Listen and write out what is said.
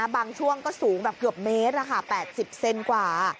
บางช่วงก็สูงแบบเกือบเมตร๘๐เซนกว่า